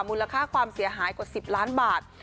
มูลค่าความเสียหายกว่า๑๐ล้านบาท